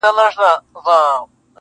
• څومره بدبخته یم داچاته مي غزل ولیکل -